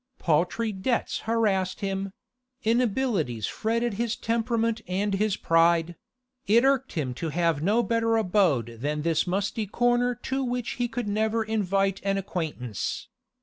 Paltry debts harassed him; inabilities fretted his temperament and his pride; it irked him to have no better abode than this musty corner to which he could never invite an acquaintance.